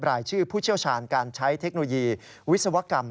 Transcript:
รายชื่อผู้เชี่ยวชาญการใช้เทคโนโลยีวิศวกรรม